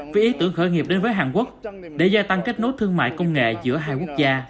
với ý tưởng khởi nghiệp đến với hàn quốc để gia tăng kết nối thương mại công nghệ giữa hai quốc gia